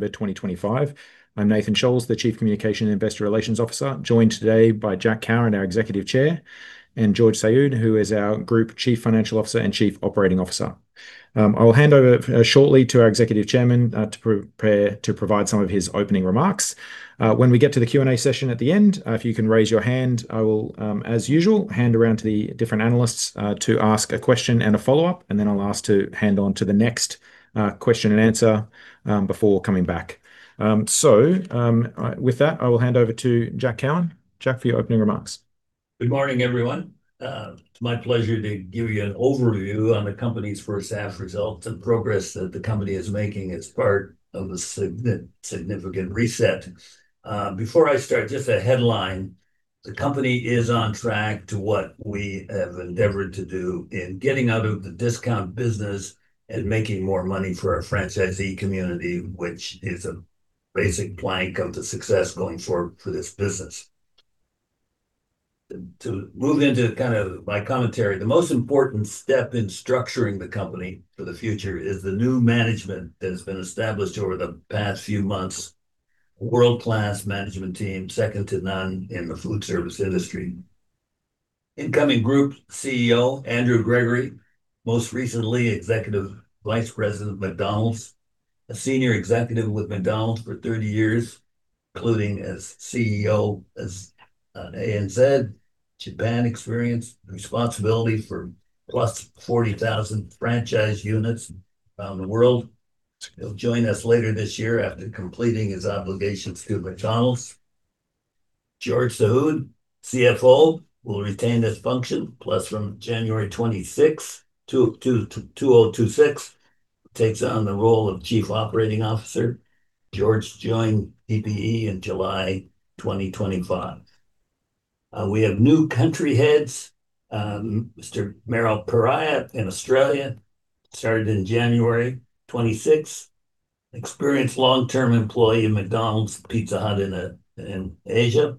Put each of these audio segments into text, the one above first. November 2025. I'm Nathan Scholz, the Chief Communication and Investor Relations Officer, joined today by Jack Cowin, our Executive Chair, and George Saoud, who is our Group Chief Financial Officer and Chief Operating Officer. I will hand over shortly to our Executive Chairman to prepare to provide some of his opening remarks. When we get to the Q&A session at the end, if you can raise your hand, I will, as usual, hand around to the different analysts to ask a question and a follow-up, and then I'll ask to hand on to the next question and answer before coming back. With that, I will hand over to Jack Cowin. Jack, for your opening remarks. Good morning, everyone. It's my pleasure to give you an overview on the company's first half results and progress that the company is making as part of a significant reset. Before I start, just a headline: the company is on track to what we have endeavored to do in getting out of the discount business and making more money for our franchisee community, which is a basic plank of the success going forward for this business. To move into kind of my commentary, the most important step in structuring the company for the future is the new management that has been established over the past few months. World-class management team, second to none in the food service industry. Incoming Group CEO, Andrew Gregory, most recently Executive Vice President of McDonald's. A senior executive with McDonald's for 30 years, including as CEO, as ANZ, Japan experience, responsibility for +40,000 franchise units around the world. He'll join us later this year after completing his obligations to McDonald's. George Saoud, CFO, will retain this function, plus from January 2026, takes on the role of Chief Operating Officer. George joined DPE in July 2025. We have new country heads. Mr. Merrill Pereyra in Australia, started in January 26th. Experienced long-term employee in McDonald's, Pizza Hut in Asia.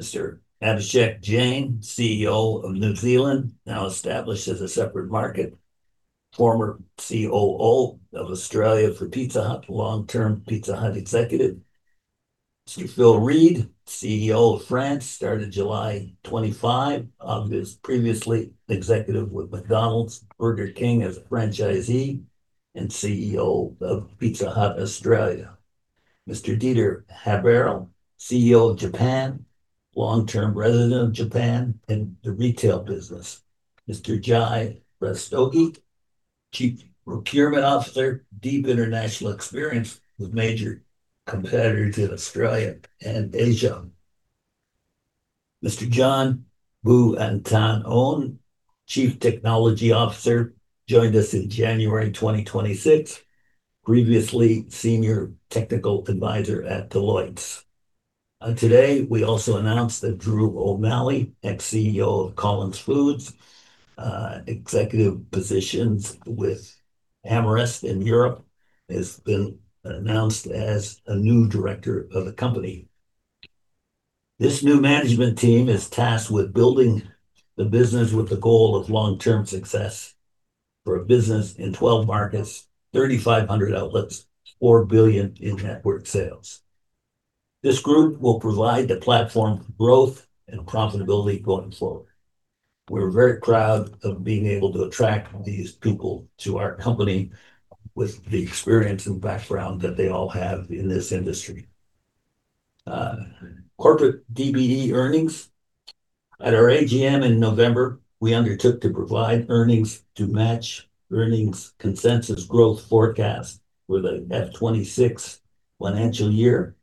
Mr. Abhishek Jain, CEO of New Zealand, now established as a separate market. Former COO of Australia for Pizza Hut, long-term Pizza Hut executive. Mr. Phil Reed, CEO of France, started July 25. He was previously executive with McDonald's, Burger King as a franchisee, and CEO of Pizza Hut Australia. Mr. Dieter Haberl, CEO, Japan, long-term resident of Japan in the retail business. Mr. Jai Rastogi, Chief Procurement Officer, deep international experience with major competitors in Australia and Asia. Mr. John Bou-Antoun, Chief Technology Officer, joined us in January 2026, previously Senior Technical Advisor at Deloitte. Today, we also announced that Drew O'Malley, ex-CEO of Collins Foods, executive positions with AmRest in Europe, has been announced as a new Director of the company. This new management team is tasked with building the business with the goal of long-term success for a business in 12 markets, 3,500 outlets, 4 billion in network sales. This group will provide the platform growth and profitability going forward. We're very proud of being able to attract these people to our company with the experience and background that they all have in this industry. Corporate DPE earnings. At our AGM in November, we undertook to provide earnings to match earnings consensus growth forecast for the FY26 financial year.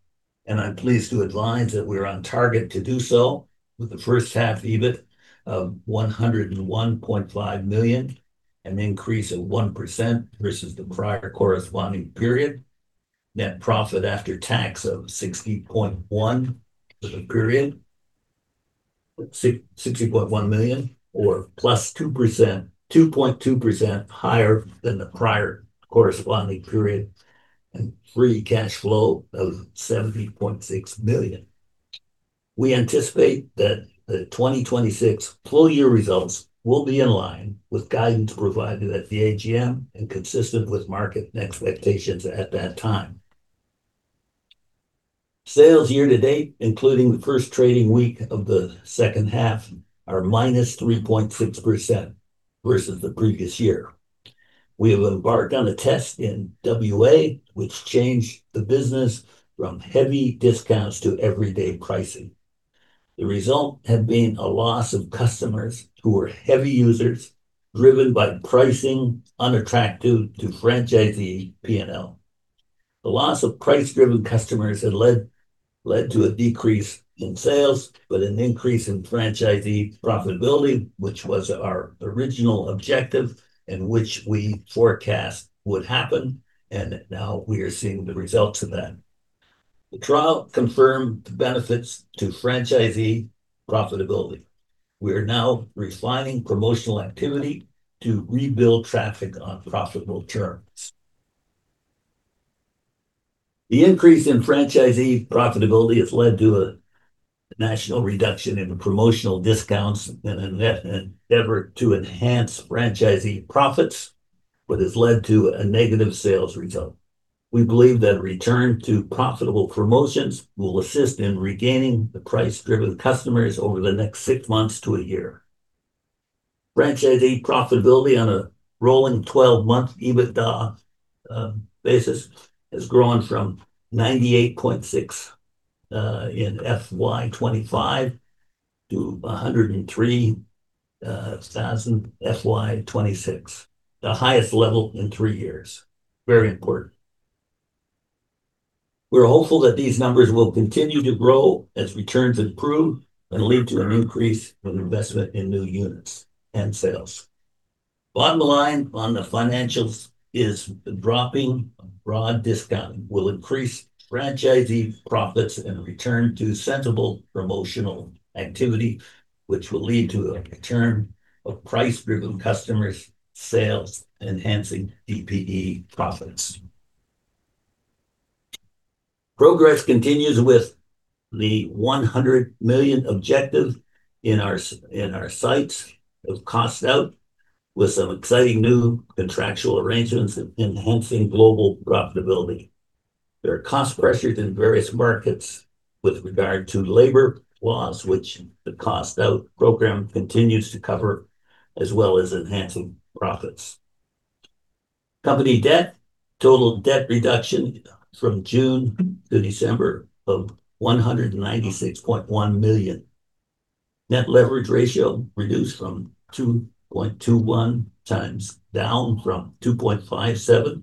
I'm pleased to advise that we're on target to do so with the first half EBIT of 101.5 million, an increase of 1% versus the PCP. NPAT of 60.1 million for the period, +2.2% higher than the PCP, and free cash flow of 70.6 million. We anticipate that the 2026 full year results will be in line with guidance provided at the AGM and consistent with market expectations at that time. Sales year to date, including the first trading week of the second half, are -3.6% versus the previous year. We have embarked on a test in WA, which changed the business from heavy discounts to everyday pricing. The result have been a loss of customers who were heavy users, driven by pricing unattractive to franchisee P&L. The loss of price-driven customers led to a decrease in sales, but an increase in franchisee profitability, which was our original objective and which we forecast would happen, and now we are seeing the results of that. The trial confirmed the benefits to franchisee profitability. We are now refining promotional activity to rebuild traffic on profitable terms. The increase in franchisee profitability has led to a national reduction in promotional discounts in an effort to enhance franchisee profits, but has led to a negative sales result. We believe that a return to profitable promotions will assist in regaining the price-driven customers over the next six months to a year. Franchisee profitability on a rolling twelve-month EBITDA basis has grown from 98.6 in FY25 to 103,000 in FY26, the highest level in three years. Very important. We're hopeful that these numbers will continue to grow as returns improve and lead to an increase in investment in new units and sales. Bottom line on the financials is the dropping of broad discounting will increase franchisee profits and return to sensible promotional activity, which will lead to a return of price-driven customers, sales, enhancing DPE profits. Progress continues with the 100 million objective in our sights of Cost Out, with some exciting new contractual arrangements enhancing global profitability. There are cost pressures in various markets with regard to labor laws, which the cost-out program continues to cover, as well as enhancing profits. Company debt. Total debt reduction from June to December of 196.1 million. Net leverage ratio reduced from 2.21x, down from 2.57x,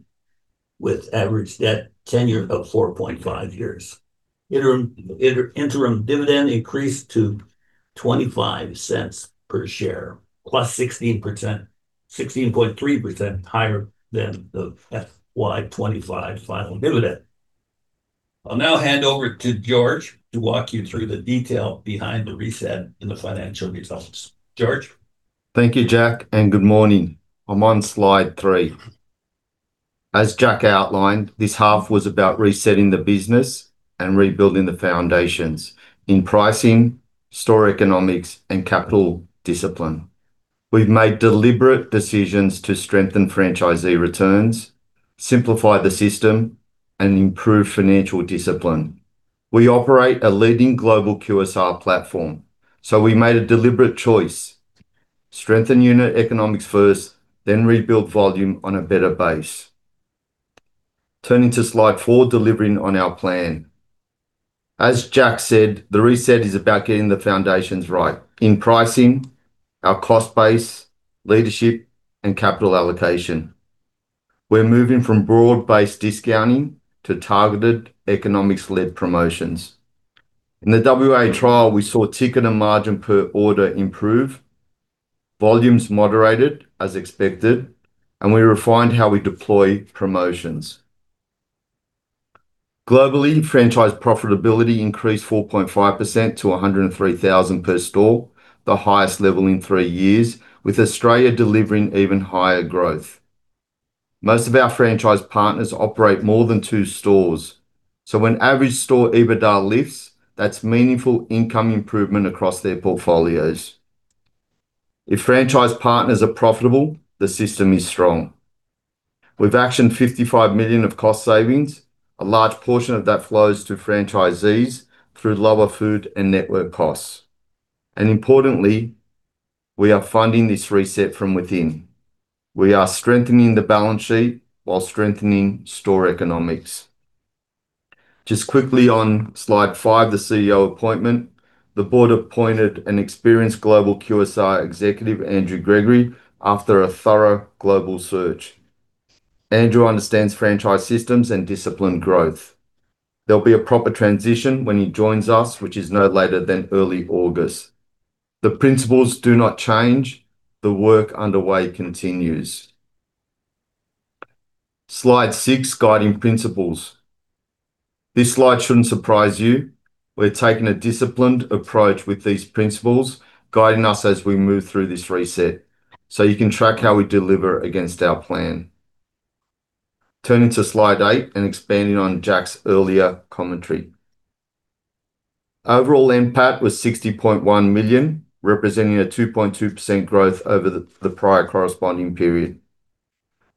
with average debt tenure of 4.5 years. Interim dividend increased to 0.25 per share, +16.3% higher than the FY25 final dividend. I'll now hand over to George to walk you through the detail behind the reset in the financial results. George? Thank you, Jack. Good morning. I'm on slide three. As Jack outlined, this half was about resetting the business and rebuilding the foundations in pricing, store economics, and capital discipline. We've made deliberate decisions to strengthen franchisee returns, simplify the system, and improve financial discipline. We operate a leading global QSR platform. We made a deliberate choice: strengthen unit economics first, then rebuild volume on a better base. Turning to slide 4, delivering on our plan. As Jack said, the reset is about getting the foundations right in pricing, our cost base, leadership, and capital allocation. We're moving from broad-based discounting to targeted economics-led promotions. In the WA trial, we saw ticket and margin per order improve. Volumes moderated as expected. We refined how we deploy promotions. Globally, franchise profitability increased 4.5% to 103,000 per store, the highest level in 3 years, with Australia delivering even higher growth. Most of our franchise partners operate more than 2 stores, so when average store EBITDA lifts, that's meaningful income improvement across their portfolios. If franchise partners are profitable, the system is strong. We've actioned 55 million of cost savings. A large portion of that flows to franchisees through lower food and network costs. Importantly, we are funding this reset from within. We are strengthening the balance sheet while strengthening store economics. Just quickly on slide 5, the CEO appointment. The board appointed an experienced global QSR executive, Andrew Gregory, after a thorough global search. Andrew understands franchise systems and disciplined growth. There'll be a proper transition when he joins us, which is no later than early August. The principles do not change. The work underway continues. Slide 6, guiding principles. This slide shouldn't surprise you. We're taking a disciplined approach with these principles, guiding us as we move through this reset, so you can track how we deliver against our plan. Turning to slide 8 and expanding on Jack's earlier commentary. Overall, NPAT was $60.1 million, representing a 2.2% growth over the prior corresponding period.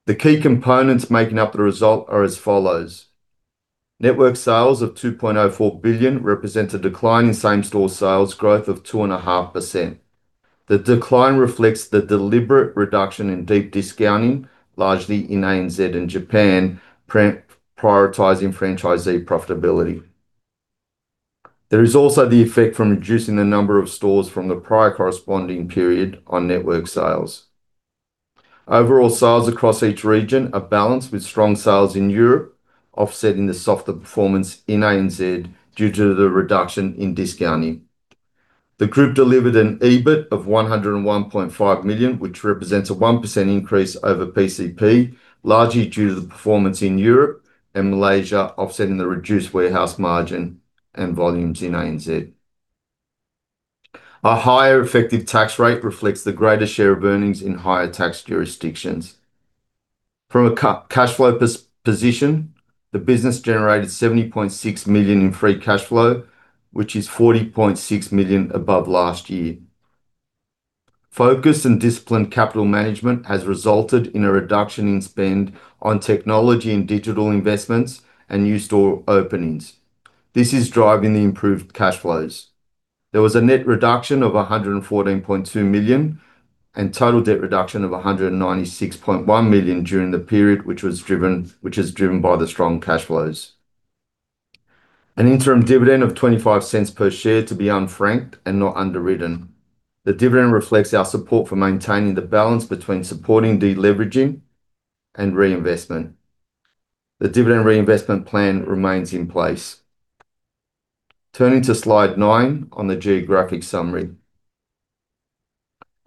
The key components making up the result are as follows: Network sales of $2.04 billion represent a decline in same-store sales growth of 2.5%. The decline reflects the deliberate reduction in deep discounting, largely in ANZ and Japan, prioritizing franchisee profitability. There is also the effect from reducing the number of stores from the prior corresponding period on network sales. Overall, sales across each region are balanced, with strong sales in Europe offsetting the softer performance in ANZ due to the reduction in discounting. The group delivered an EBIT of 101.5 million, which represents a 1% increase over PCP, largely due to the performance in Europe and Malaysia, offsetting the reduced warehouse margin and volumes in ANZ. A higher effective tax rate reflects the greater share of earnings in higher tax jurisdictions. From a cash flow position, the business generated 70.6 million in free cash flow, which is 40.6 million above last year. Focused and disciplined capital management has resulted in a reduction in spend on technology and digital investments and new store openings. This is driving the improved cash flows. There was a net reduction of 114.2 million, and total debt reduction of 196.1 million during the period, which is driven by the strong cash flows. An interim dividend of 0.25 per share to be unfranked and not underwritten. The dividend reflects our support for maintaining the balance between supporting de-leveraging and reinvestment. The dividend reinvestment plan remains in place. Turning to slide 9 on the geographic summary.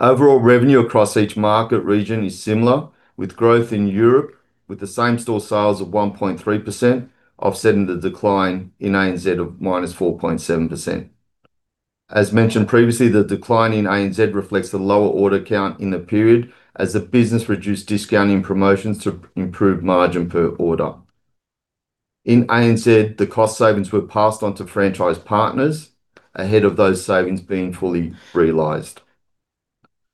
Overall revenue across each market region is similar, with growth in Europe, with the same-store sales of 1.3%, offsetting the decline in ANZ of -4.7%. As mentioned previously, the decline in ANZ reflects the lower order count in the period as the business reduced discounting promotions to improve margin per order. In ANZ, the cost savings were passed on to franchise partners ahead of those savings being fully realized.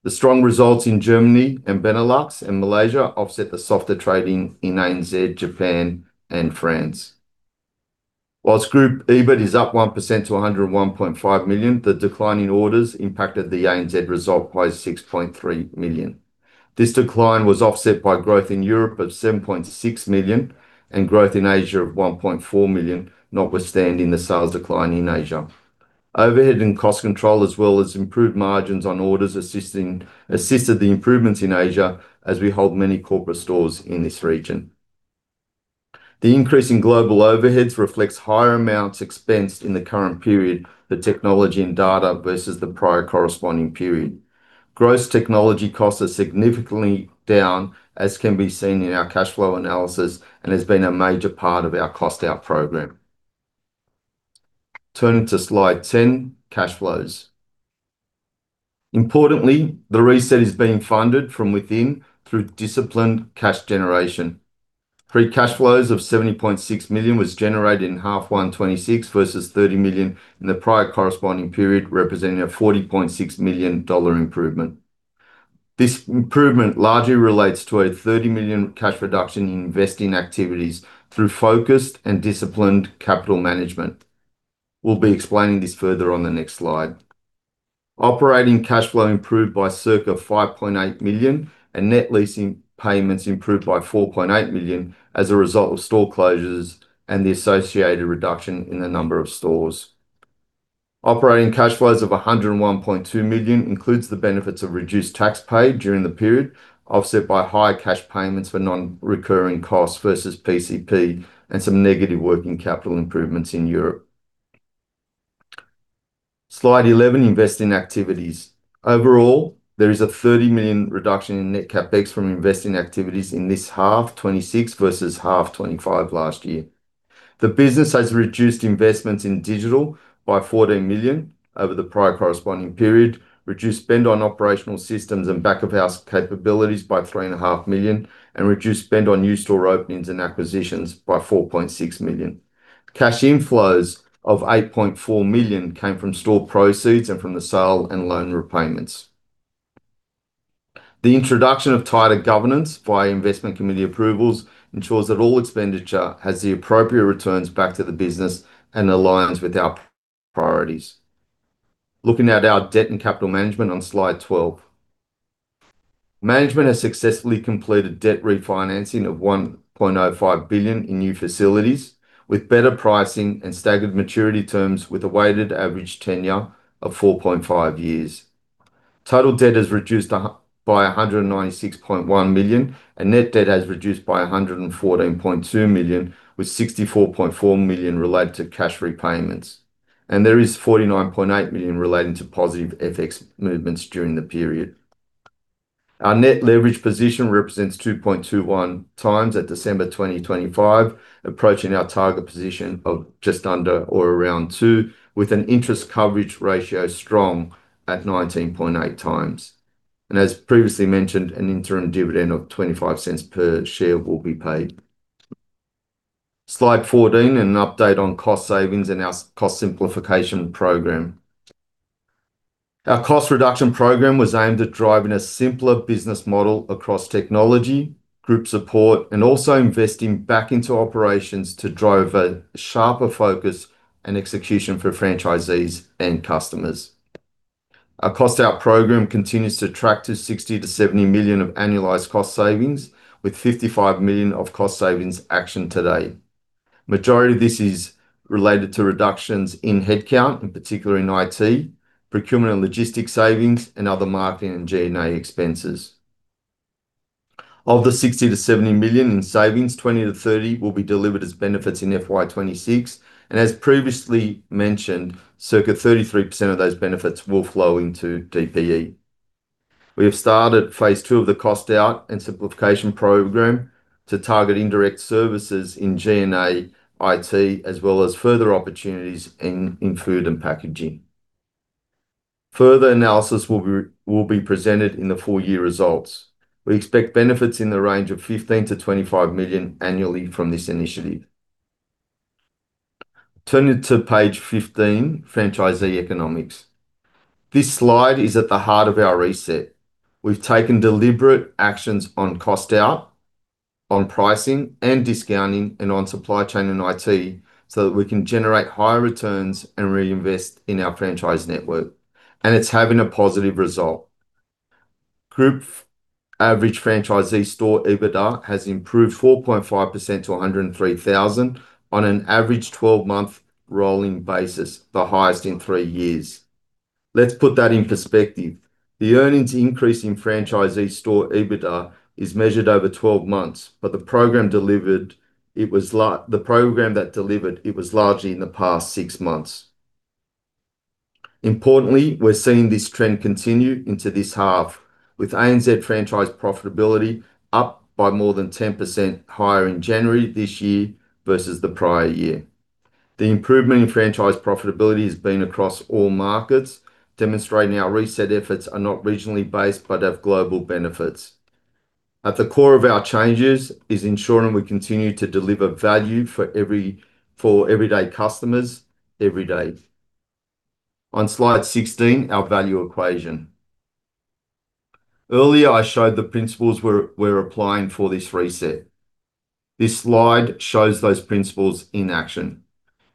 The strong results in Germany and Benelux and Malaysia offset the softer trading in ANZ, Japan, and France. Whilst group EBIT is up 1% to 101.5 million, the decline in orders impacted the ANZ result by 6.3 million. This decline was offset by growth in Europe of 7.6 million and growth in Asia of 1.4 million, notwithstanding the sales decline in Asia. Overhead and cost control, as well as improved margins on orders, assisted the improvements in Asia as we hold many corporate stores in this region. The increase in global overheads reflects higher amounts expensed in the current period, the technology and data, versus the prior corresponding period. Gross technology costs are significantly down, as can be seen in our cash flow analysis, and has been a major part of our cost-out program. Turning to slide 10, cash flows. The reset is being funded from within through disciplined cash generation. Free cash flows of 70.6 million was generated in half one twenty-six versus 30 million in the prior corresponding period, representing a AUD 40.6 million improvement. This improvement largely relates to a 30 million cash reduction in investing activities through focused and disciplined capital management. We'll be explaining this further on the next slide. Operating cash flow improved by circa 5.8 million, and net leasing payments improved by 4.8 million as a result of store closures and the associated reduction in the number of stores. Operating cash flows of 101.2 million includes the benefits of reduced tax paid during the period, offset by higher cash payments for non-recurring costs versus PCP and some negative working capital improvements in Europe. Slide 11, investing activities. Overall, there is a 30 million reduction in net CapEx from investing activities in this half, 2026, versus half, 2025 last year. The business has reduced investments in digital by 14 million over the prior corresponding period, reduced spend on operational systems and back-of-house capabilities by 3.5 million, and reduced spend on new store openings and acquisitions by 4.6 million. Cash inflows of 8.4 million came from store proceeds and from the sale and loan repayments. The introduction of tighter governance by investment committee approvals ensures that all expenditure has the appropriate returns back to the business and aligns with our priorities. Looking at our debt and capital management on Slide 12. Management has successfully completed debt refinancing of 1.05 billion in new facilities, with better pricing and staggered maturity terms, with a weighted average tenure of 4.5 years. Total debt is reduced by 196.1 million, and net debt has reduced by 114.2 million, with 64.4 million related to cash repayments. There is 49.8 million relating to positive FX movements during the period. Our net leverage position represents 2.21x at December 2025, approaching our target position of just under or around 2x, with an interest coverage ratio strong at 19.8x. As previously mentioned, an interim dividend of 0.25 per share will be paid. Slide 14, an update on cost savings and our cost simplification program. Our cost reduction program was aimed at driving a simpler business model across technology, group support, and also investing back into operations to drive a sharper focus and execution for franchisees and customers. Our cost out program continues to track to 60 million to 70 million of annualized cost savings, with 55 million of cost savings action to date. Majority of this is related to reductions in headcount, in particular in IT, procurement and logistics savings, and other marketing and G&A expenses. Of the 60 million to 70 million in savings, 20 million to 30 million will be delivered as benefits in FY26, and as previously mentioned, circa 33% of those benefits will flow into DPE. We have started phase II of the cost-out and simplification program to target indirect services in G&A IT, as well as further opportunities in food and packaging. Further analysis will be presented in the full year results. We expect benefits in the range of 15 million to 25 million annually from this initiative. Turning to page 15, franchisee economics. This slide is at the heart of our reset. We've taken deliberate actions on cost-out, on pricing and discounting, and on supply chain and IT, so that we can generate higher returns and reinvest in our franchise network, and it's having a positive result. Group average franchisee store EBITDA has improved 4.5% to 103,000 on an average 12-month rolling basis, the highest in three years. Let's put that in perspective. The earnings increase in franchisee store EBITDA is measured over 12 months, but the program that delivered it was largely in the past six months. Importantly, we're seeing this trend continue into this half, with ANZ franchise profitability up by more than 10% higher in January this year versus the prior year. The improvement in franchise profitability has been across all markets, demonstrating our reset efforts are not regionally based, but have global benefits. At the core of our changes is ensuring we continue to deliver value for everyday customers every day. On slide 16, our value equation. Earlier, I showed the principles we're applying for this reset. This slide shows those principles in action.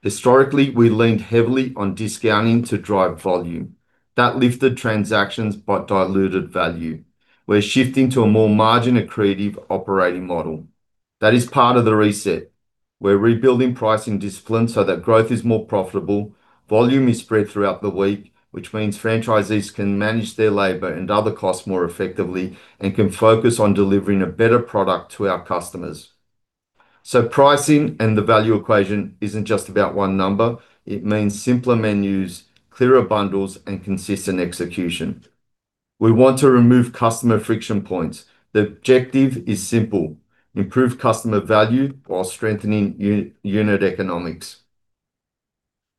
Historically, we leaned heavily on discounting to drive volume. That lifted transactions but diluted value. We're shifting to a more margin-accretive operating model. That is part of the reset. We're rebuilding pricing discipline so that growth is more profitable, volume is spread throughout the week, which means franchisees can manage their labor and other costs more effectively and can focus on delivering a better product to our customers. Pricing and the value equation isn't just about one number, it means simpler menus, clearer bundles, and consistent execution. We want to remove customer friction points. The objective is simple: improve customer value while strengthening unit economics.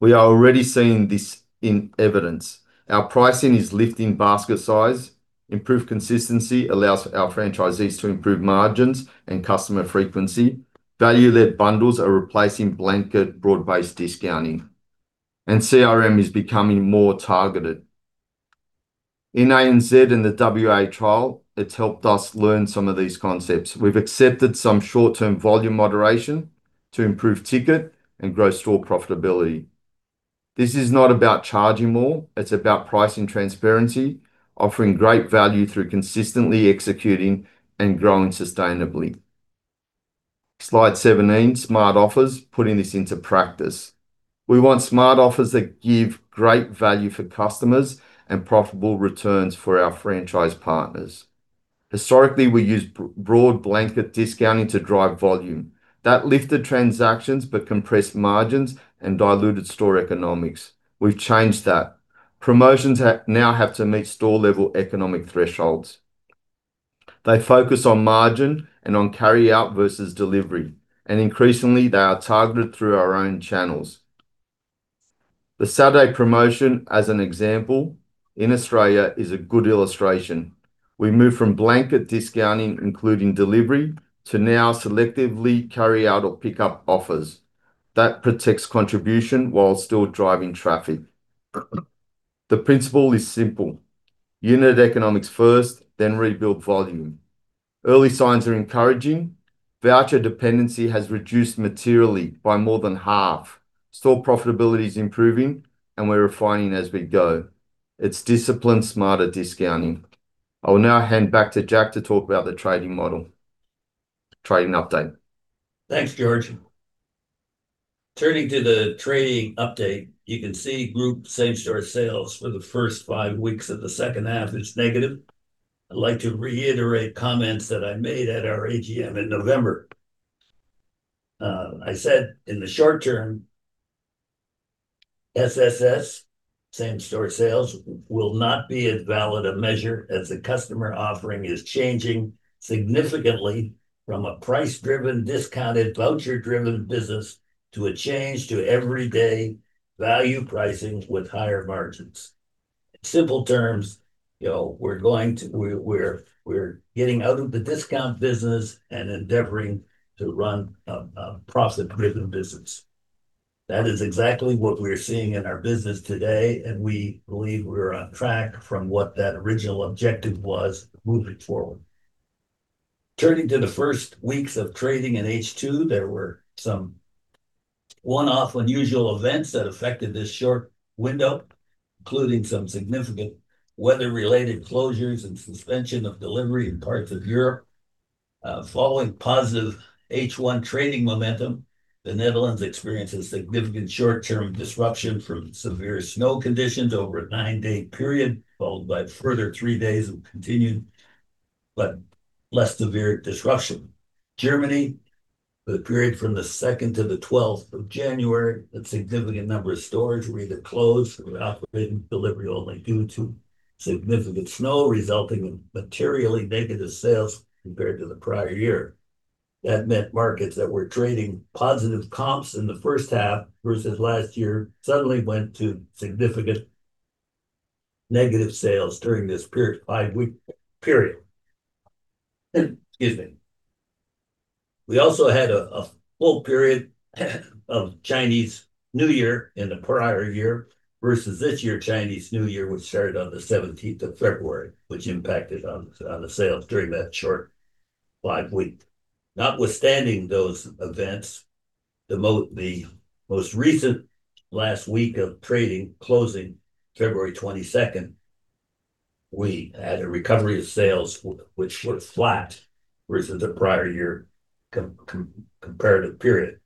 We are already seeing this in evidence. Our pricing is lifting basket size. Improved consistency allows our franchisees to improve margins and customer frequency. Value-led bundles are replacing blanket broad-based discounting. CRM is becoming more targeted. In ANZ and the WA trial, it's helped us learn some of these concepts. We've accepted some short-term volume moderation to improve ticket and grow store profitability. This is not about charging more, it's about pricing transparency, offering great value through consistently executing and growing sustainably. Slide 17, smart offers, putting this into practice. We want smart offers that give great value for customers and profitable returns for our franchise partners. Historically, we used broad blanket discounting to drive volume. That lifted transactions. Compressed margins and diluted store economics. We've changed that. Promotions now have to meet store-level economic thresholds. They focus on margin and on carryout versus delivery. Increasingly, they are targeted through our own channels. The Saturday promotion, as an example, in Australia is a good illustration. We moved from blanket discounting, including delivery, to now selectively carryout or pickup offers. That protects contribution while still driving traffic. The principle is simple: unit economics first, then rebuild volume. Early signs are encouraging. Voucher dependency has reduced materially by more than half. Store profitability is improving, and we're refining as we go. It's disciplined, smarter discounting. I will now hand back to Jack to talk about the trading update. Thanks, George. Turning to the trading update, you can see group same-store sales for the first five weeks of the second half is negative. I'd like to reiterate comments that I made at our AGM in November. I said, in the short term, SSS, same-store sales, will not be as valid a measure, as the customer offering is changing significantly from a price-driven, discounted, voucher-driven business to a change to everyday value pricing with higher margins. In simple terms, you know, we're getting out of the discount business and endeavoring to run a profit-driven business. That is exactly what we're seeing in our business today, and we believe we're on track from what that original objective was moving forward. Turning to the first weeks of trading in H2, there were some one-off unusual events that affected this short window, including some significant weather-related closures and suspension of delivery in parts of Europe. Following positive H1 trading momentum, the Netherlands experienced a significant short-term disruption from severe snow conditions over a nine-day period, followed by further three days of continued but less severe disruption. The period from the second to the twelfth of January, a significant number of stores were either closed or operating delivery only due to significant snow, resulting in materially negative sales compared to the prior year. Markets that were trading positive comps in the first half versus last year, suddenly went to significant negative sales during this period, five-week period. Excuse me. We also had a full period of Chinese New Year in the prior year, versus this year, Chinese New Year, which started on the 17th of February, which impacted on the sales during that short 5-week. Notwithstanding those events, the most recent last week of trading, closing February 22nd, we had a recovery of sales, which were flat versus the prior year comparative period.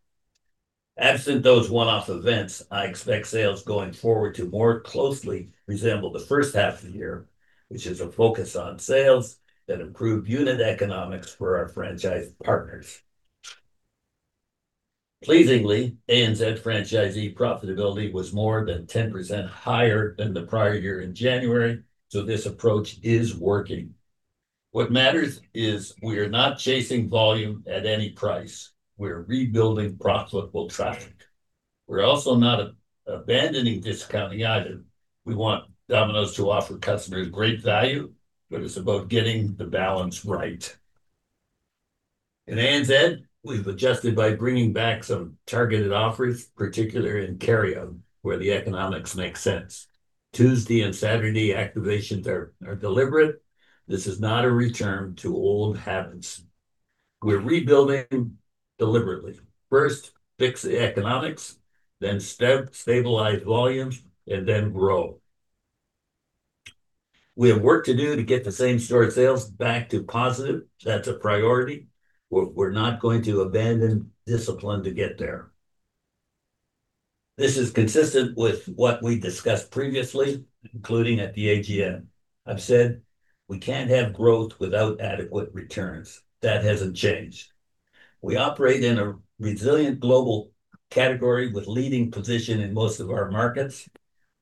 Absent those one-off events, I expect sales going forward to more closely resemble the first half of the year, which is a focus on sales that improve unit economics for our franchise partners. Pleasingly, ANZ franchisee profitability was more than 10% higher than the prior year in January, so this approach is working. What matters is we are not chasing volume at any price. We're rebuilding profitable traffic. We're also not abandoning discounting either. We want Domino's to offer customers great value. It's about getting the balance right. In ANZ, we've adjusted by bringing back some targeted offers, particularly in carryout, where the economics make sense. Tuesday and Saturday activations are deliberate. This is not a return to old habits. We're rebuilding deliberately. First, fix the economics, then stabilize volumes, and then grow. We have work to do to get the same-store sales back to positive. That's a priority. We're not going to abandon discipline to get there. This is consistent with what we discussed previously, including at the AGM. I've said we can't have growth without adequate returns. That hasn't changed. We operate in a resilient global category with leading position in most of our markets.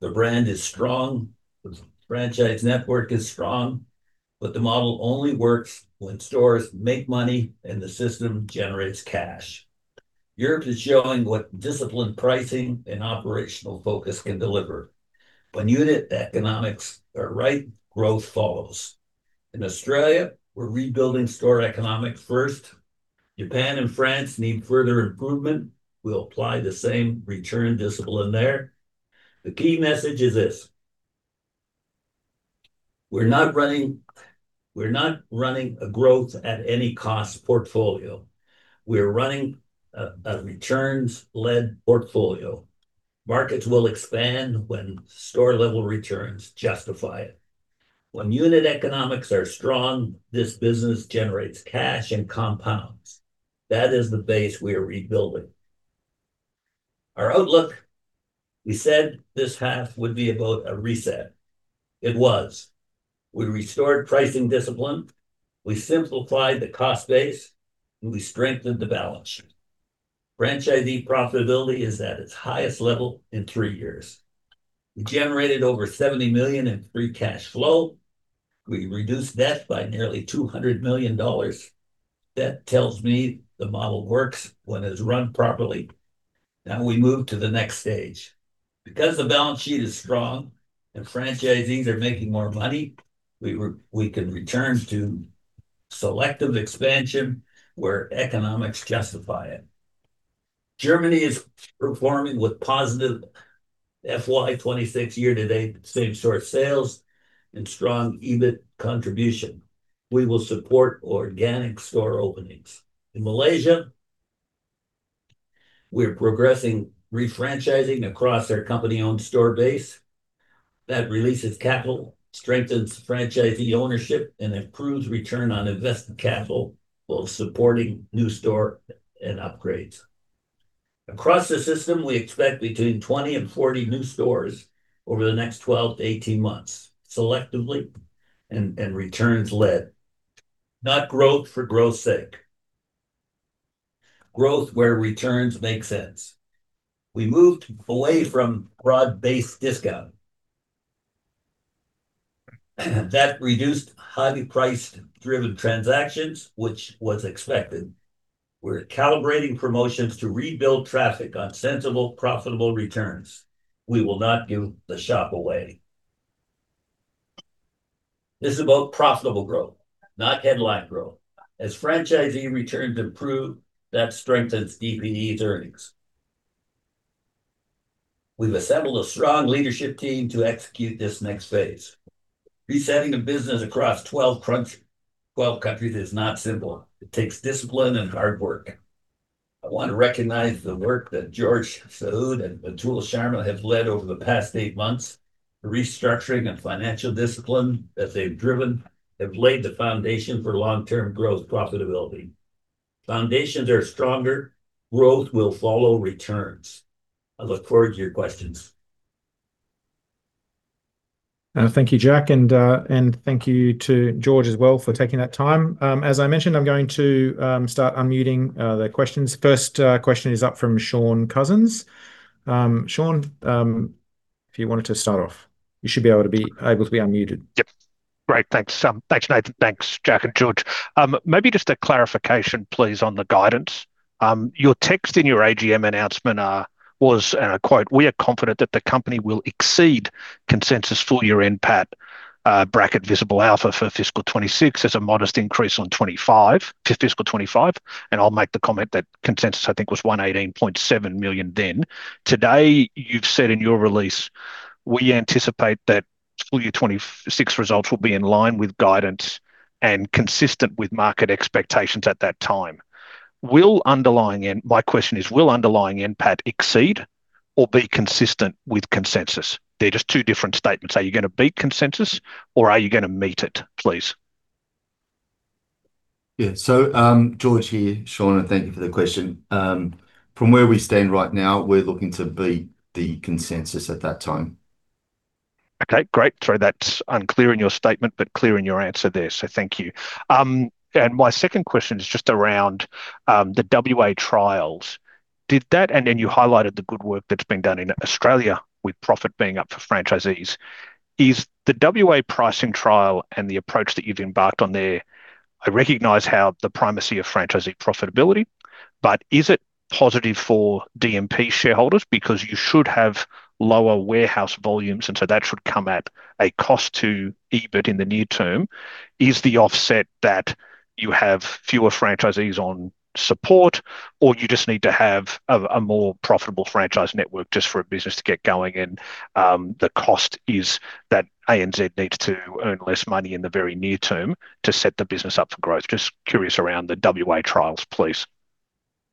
The brand is strong, the franchise network is strong. The model only works when stores make money and the system generates cash. Europe is showing what disciplined pricing and operational focus can deliver. When unit economics are right, growth follows. In Australia, we're rebuilding store economics first. Japan and France need further improvement. We'll apply the same return discipline there. The key message is this: We're not running a growth at any cost portfolio. We're running a returns-led portfolio. Markets will expand when store-level returns justify it. When unit economics areS strong, this business generates cash and compounds. That is the base we are rebuilding. Our outlook, we said this half would be about a reset. It was. We restored pricing discipline, we simplified the cost base, and we strengthened the balance sheet. Franchisee profitability is at its highest level in three years. We generated over 70 million in free cash flow. We reduced debt by nearly 200 million dollars. We move to the next stage. The balance sheet is strong and franchisees are making more money, we can return to selective expansion where economics justify it. Germany is performing with positive FY26 year-to-date same-store sales and strong EBIT contribution. We will support organic store openings. In Malaysia, we're progressing refranchising across our company-owned store base. That releases capital, strengthens franchisee ownership, and improves return on invested capital, while supporting new store and upgrades. Across the system, we expect between 20 and 40 new stores over the next 12-18 months, selectively and returns-led. Not growth for growth's sake. Growth where returns make sense. We moved away from broad-based discount. That reduced highly price-driven transactions, which was expected. We're calibrating promotions to rebuild traffic on sensible, profitable returns. We will not give the shop away. This is about profitable growth, not headline growth. As franchisee returns improve, that strengthens DPE's earnings. We've assembled a strong leadership team to execute this next phase. Resetting a business across 12 countries is not simple. It takes discipline and hard work. I want to recognize the work that George Saoud and Atul Sharma have led over the past 8 months. The restructuring and financial discipline that they've driven have laid the foundation for long-term growth profitability. Foundations are stronger, growth will follow returns. I look forward to your questions. Thank you, Jack, and thank you to George as well for taking that time. As I mentioned, I'm going to start unmuting the questions. First, question is up from Shaun Cousins. Shaun, if you wanted to start off, you should be able to be unmuted. Yep. Great. Thanks, Sam. Thanks, Nathan. Thanks, Jack and George. Maybe just a clarification, please, on the guidance. Your text in your AGM announcement was, and I quote, "We are confident that the company will exceed consensus full-year NPAT, bracket Visible Alpha for fiscal 2026 as a modest increase on 2025, for fiscal 2025." I'll make the comment that consensus, I think, was 118.7 million then. Today, you've said in your release, "We anticipate that full year 2026 results will be in line with guidance and consistent with market expectations at that time." My question is, will underlying NPAT exceed or be consistent with consensus? They're just two different statements. Are you gonna beat consensus or are you gonna meet it, please? Yeah. George here, Shaun, and thank you for the question. From where we stand right now, we're looking to beat the consensus at that time. Okay, great. Sorry, that's unclear in your statement, but clear in your answer there, so thank you. My second question is just around the WA trials. You highlighted the good work that's been done in Australia, with profit being up for franchisees. Is the WA pricing trial and the approach that you've embarked on there, I recognize how the primacy of franchisee profitability, but is it positive for DMP shareholders? You should have lower warehouse volumes, and so that should come at a cost to EBIT in the near term. Is the offset that you have fewer franchisees on support, or you just need to have a more profitable franchise network just for a business to get going, and the cost is that ANZ needs to earn less money in the very near term to set the business up for growth? Just curious around the WA trials, please.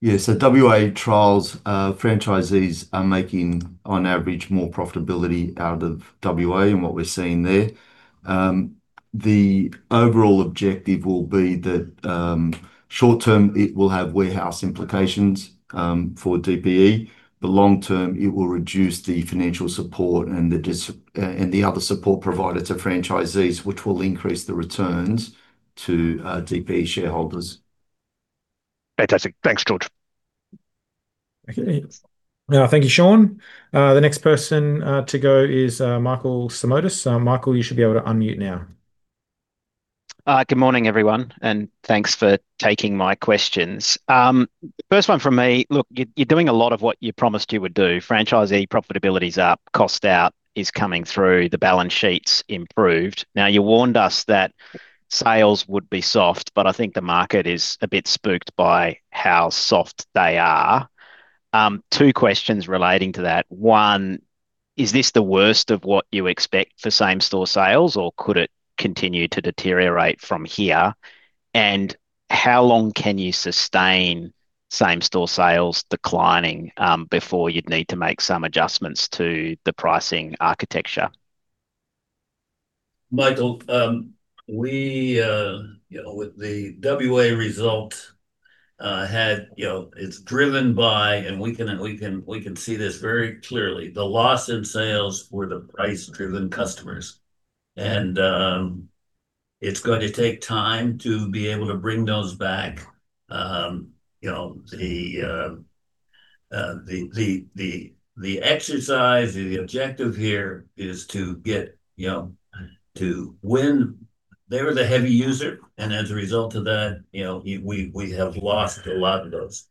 WA trials, franchisees are making, on average, more profitability out of WA and what we're seeing there. The overall objective will be that short term, it will have warehouse implications for DPE. The long term, it will reduce the financial support and the other support provided to franchisees, which will increase the returns to DPE shareholders. Fantastic. Thanks, George. Okay. thank you, Sean. The next person to go is Michael Simotas. Michael, you should be able to unmute now. Good morning, everyone, thanks for taking my questions. First one from me, look, you're doing a lot of what you promised you would do. Franchisee profitability is up, cost-out is coming through, the balance sheet's improved. You warned us that sales would be soft, but I think the market is a bit spooked by how soft they are. Two questions relating to that. One, is this the worst of what you expect for same-store sales, or could it continue to deteriorate from here? How long can you sustain same-store sales declining before you'd need to make some adjustments to the pricing architecture? Michael, we, you know, with the WA result, You know, it's driven by, and we can see this very clearly, the loss in sales were the price-driven customers. It's going to take time to be able to bring those back. You know, the exercise, the objective here is to get, you know, to win. They were the heavy user, and as a result of that, you know, we have lost a lot of those.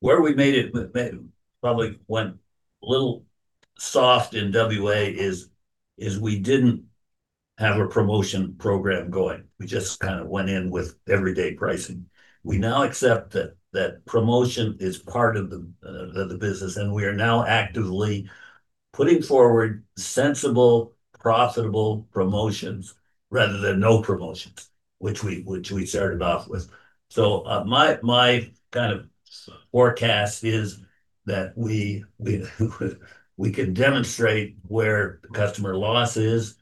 Where we made it, probably went a little soft in WA is we didn't have a promotion program going. We just kind of went in with everyday pricing. We now accept that promotion is part of the business, and we are now actively putting forward sensible, profitable promotions rather than no promotions, which we started off with. My kind of forecast is that we can demonstrate where the customer loss is.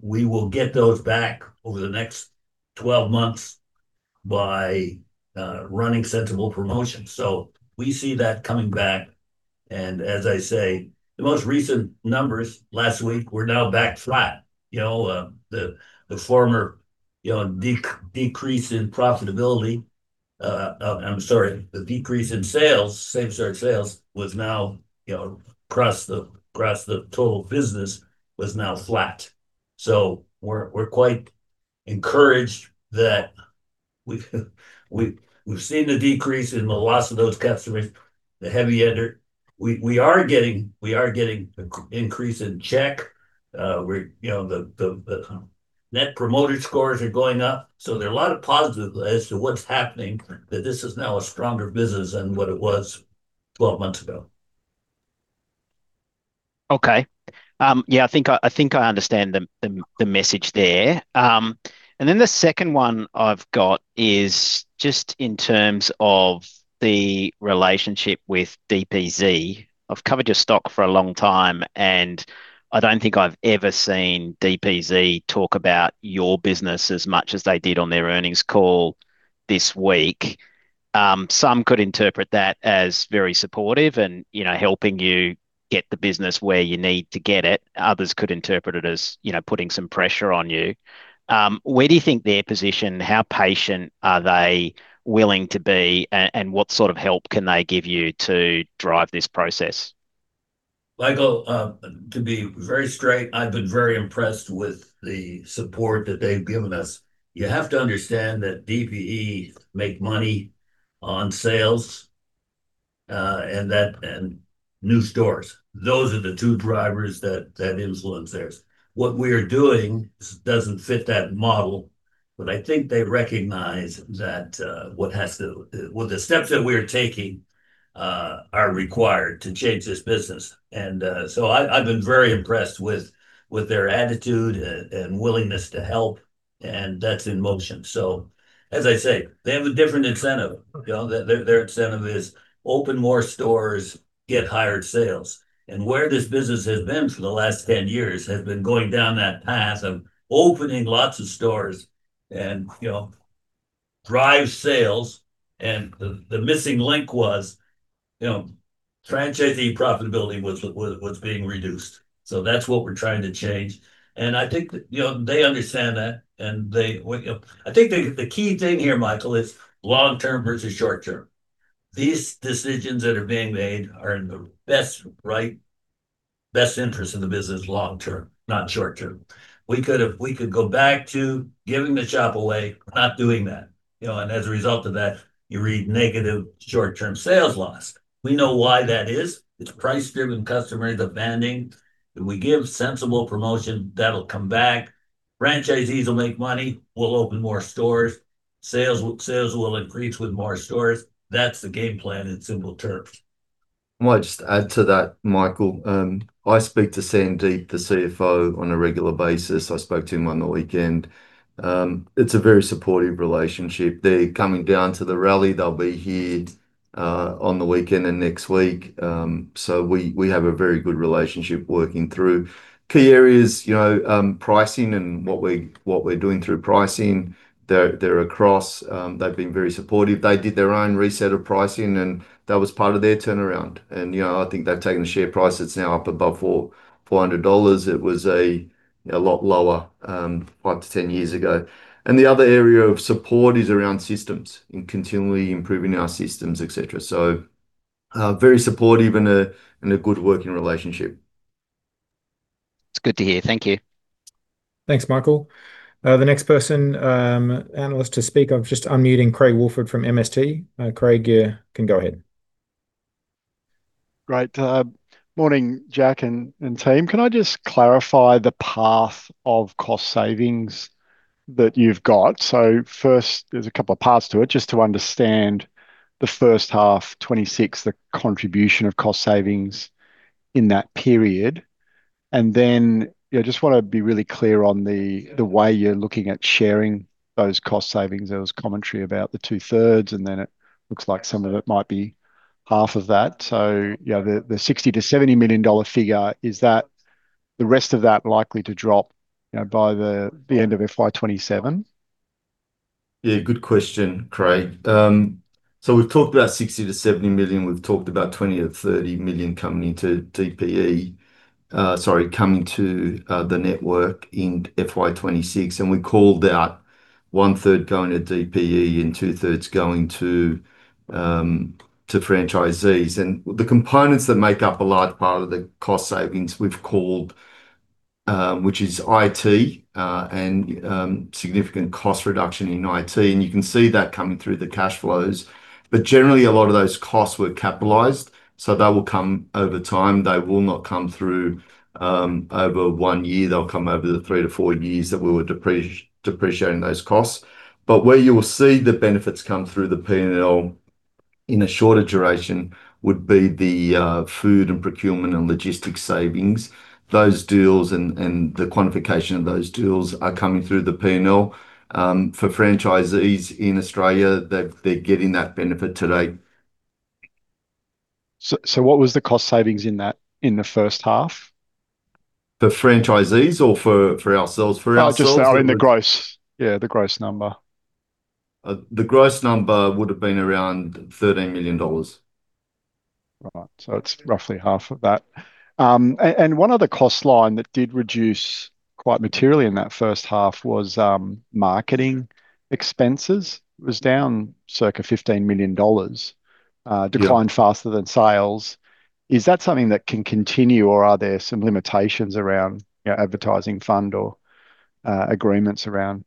We will get those back over the next 12 months by running sensible promotions. We see that coming back, and as I say, the most recent numbers last week were now back flat. You know, the former, you know, decrease in profitability, I'm sorry, the decrease in sales, same-store sales, was now, you know, across the total business, was now flat. We're quite encouraged that we've seen the decrease in the loss of those customers, the heavy ender. We are getting increase in check. we're, you know, the net promoter scores are going up. There are a lot of positives as to what's happening, that this is now a stronger business than what it was 12 months ago. Okay. Yeah, I think I understand the message there. The second one I've got is just in terms of the relationship with DPZ. I've covered your stock for a long time, and I don't think I've ever seen DPZ talk about your business as much as they did on their earnings call this week. Some could interpret that as very supportive and, you know, helping you get the business where you need to get it. Others could interpret it as, you know, putting some pressure on you. Where do you think their position, how patient are they willing to be, and what sort of help can they give you to drive this process? Michael, to be very straight, I've been very impressed with the support that they've given us. You have to understand that DPE make money on sales and new stores. Those are the two drivers that influence theirs. What we are doing doesn't fit that model, but I think they recognize that the steps that we're taking are required to change this business. I've been very impressed with their attitude and willingness to help, and that's in motion. As I say, they have a different incentive. You know, their incentive is open more stores, get higher sales. Where this business has been for the last 10 years has been going down that path of opening lots of stores and, you know, drive sales. The missing link was, you know, franchisee profitability was being reduced. That's what we're trying to change. I think that, you know, they understand that. I think the key thing here, Michael, is long term versus short term. These decisions that are being made are in the best interest of the business long term, not short term. We could go back to giving the shop away, not doing that, you know, and as a result of that, you read negative short-term sales loss. We know why that is. It's price-driven customer demanding. If we give sensible promotion, that'll come back. Franchisees will make money, we'll open more stores, sales will increase with more stores. That's the game plan in simple terms. I might just add to that, Michael. I speak to Sandeep, the CFO, on a regular basis. I spoke to him on the weekend. It's a very supportive relationship. They're coming down to the rally. They'll be here on the weekend and next week. We have a very good relationship working through key areas, you know, pricing and what we're doing through pricing. They're across. They've been very supportive. They did their own reset of pricing, and that was part of their turnaround. You know, I think they've taken the share price, it's now up above $400. It was a lot lower 5-10 years ago. The other area of support is around systems, in continually improving our systems, etc. Very supportive and a good working relationship. It's good to hear. Thank you. Thanks, Michael. The next person, analyst to speak, I'm just unmuting Craig Woolford from MST. Craig, you can go ahead. Great. Morning, Jack and team. Can I just clarify the path of cost savings that you've got? First, there's a couple of parts to it, just to understand the H1 2026, the contribution of cost savings in that period. Then, I just want to be really clear on the way you're looking at sharing those cost savings. There was commentary about the two-thirds, and then it looks like some of it might be half of that. The 60 million to 70 million dollar figure, is that the rest of that likely to drop by the end of FY27? Yeah, good question, Craig. We've talked about 60 million to 70 million, we've talked about 20 million to 30 million coming into DPE, sorry, coming to the network in FY26, and we called that 1/3 going to DPE and 2/3 going to franchisees. The components that make up a large part of the cost savings we've called, which is IT, significant cost reduction in IT, you can see that coming through the cash flows. Generally, a lot of those costs were capitalized, they will come over time. They will not come through over one year. They'll come over the 3-4 years that we were depreciating those costs. Where you will see the benefits come through the P&L in a shorter duration would be the food and procurement and logistics savings. Those deals and the quantification of those deals are coming through the P&L. For franchisees in Australia, they're getting that benefit today. What was the cost savings in that in the first half? For franchisees or for ourselves? For ourselves- Just now in the gross. Yeah, the gross number. The gross number would have been around 13 million dollars. Right. It's roughly half of that. And one other cost line that did reduce quite materially in that first half was marketing expenses, was down circa 15 million dollars declined faster than sales. Is that something that can continue, or are there some limitations around, you know, advertising fund or, agreements around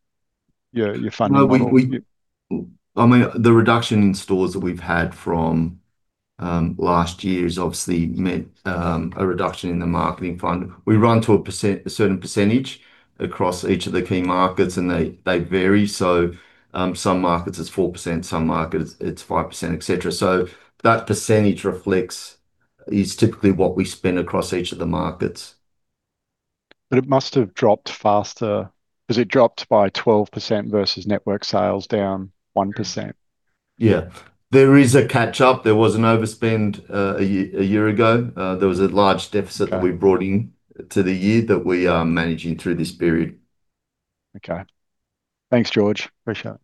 your funding model? No, I mean, the reduction in stores that we've had from last year has obviously meant a reduction in the marketing fund. We run to a percent, a certain percentage across each of the key markets, and they vary. Some markets it's 4%, some markets it's 5%, et cetera. That percentage reflects, is typically what we spend across each of the markets. It must have dropped faster, because it dropped by 12% versus network sales down 1%. Yeah. There is a catch-up. There was an overspend a year ago. There was a large overspend that we brought in to the year that we are managing through this period. Okay. Thanks, George. Appreciate it.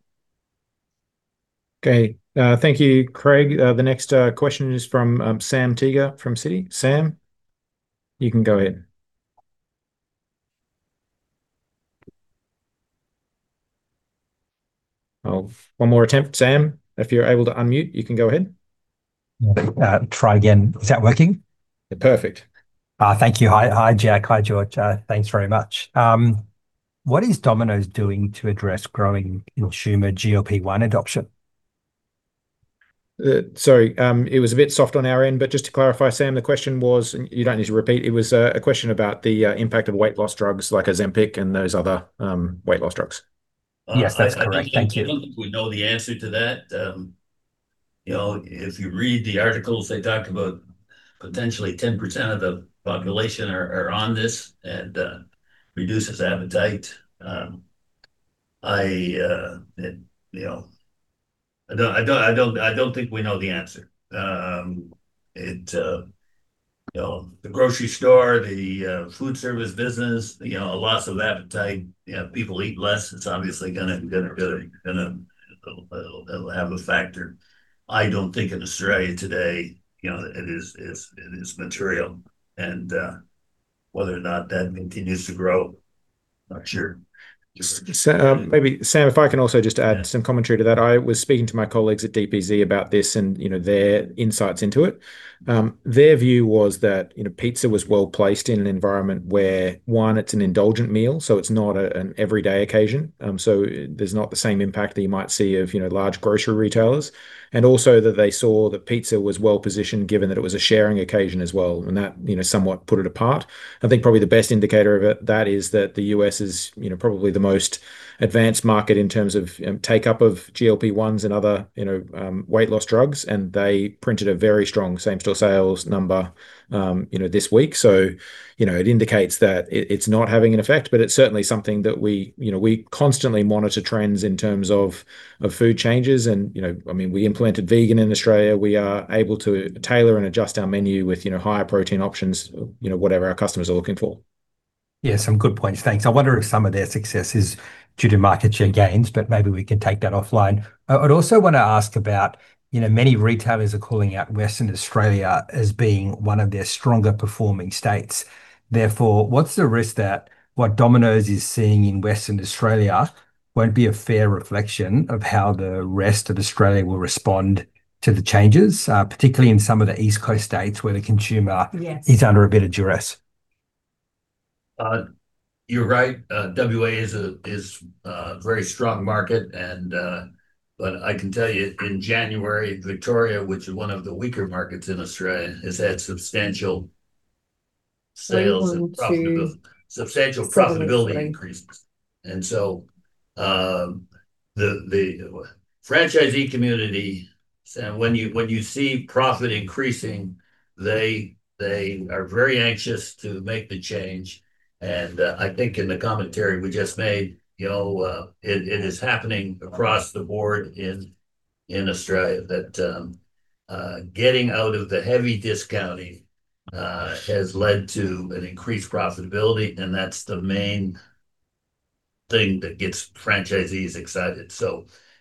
Okay, thank you, Craig. The next question is from Sam Teeger from Citi. Sam, you can go ahead. One more attempt, Sam, if you're able to unmute, you can go ahead. Try again. Is that working? Perfect. Thank you. Hi. Hi, Jack. Hi, George. Thanks very much. What is Domino's doing to address growing consumer GLP-1 adoption? Sorry, it was a bit soft on our end, but just to clarify, Sam, the question was, and you don't need to repeat, it was a question about the impact of weight loss drugs like Ozempic and those other weight loss drugs. Yes, that's correct. Thank you. I don't think we know the answer to that. you know, if you read the articles, they talk about potentially 10% of the population are on this, and reduces appetite. I don't think we know the answer. it, you know, the grocery store, the food service business, you know, a loss of appetite, you know, if people eat less, it's obviously gonna have a factor. I don't think in Australia today, you know, it is material, and whether or not that continues to grow, I'm not sure. Maybe, Sam, if I can also just some commentary to that. I was speaking to my colleagues at DPZ about this and, you know, their insights into it. Their view was that, you know, pizza was well-placed in an environment where, 1, it's an indulgent meal, so it's not an everyday occasion, so there's not the same impact that you might see of, you know, large grocery retailers. Also that they saw that pizza was well-positioned, given that it was a sharing occasion as well, and that, you know, somewhat put it apart. I think probably the best indicator of that is that the U.S. is, you know, probably the most advanced market in terms of take-up of GLP-1s and other, you know, weight loss drugs, and they printed a very strong same-store sales number, you know, this week. You know, it indicates that it's not having an effect, but it's certainly something that we. We constantly monitor trends in terms of food changes and, you know, I mean, we implemented vegan in Australia. We are able to tailor and adjust our menu with, you know, higher protein options whatever our customers are looking for. Yeah, some good points. Thanks. I wonder if some of their success is due to market share gains. Maybe we can take that offline. I'd also wanna ask about, you know, many retailers are calling out Western Australia as being one of their stronger performing states. What's the risk that what Domino's is seeing in Western Australia won't be a fair reflection of how the rest of Australia will respond to the changes, particularly in some of the East Coast states where the consumer is under a bit of duress? You're right. WA is a very strong market, and, but I can tell you, in January, Victoria, which is one of the weaker markets in Australia, has had substantial sales and profitability, substantial profitability increases. The franchisee community, Sam, when you see profit increasing, they are very anxious to make the change. I think in the commentary we just made, you know, it is happening across the board in Australia, that getting out of the heavy discounting has led to an increased profitability, and that's the main thing that gets franchisees excited.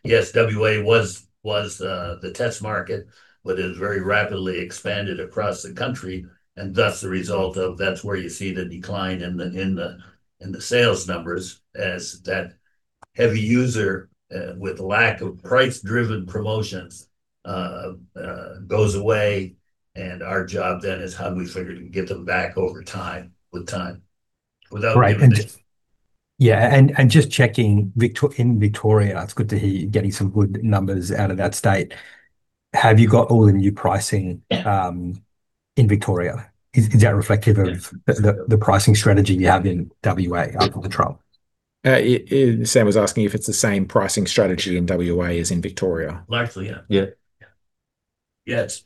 Yes, WA was the test market, but it has very rapidly expanded across the country, and thus the result of that's where you see the decline in the sales numbers as that heavy user with lack of price-driven promotions goes away, and our job then is how do we figure to get them back over time, with time, without. Right. just Yeah, and just checking, in Victoria, it's good to hear you're getting some good numbers out of that state. Have you got all the new pricing in Victoria? Is that reflective of the pricing strategy you have in WA up for control? Sam was asking if it's the same pricing strategy in WA as in Victoria. Likely, yes.